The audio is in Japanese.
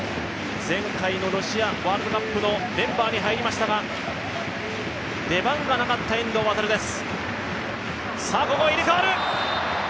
前回のロシアワールドカップのメンバーに入りましたが出番がなかった遠藤航です。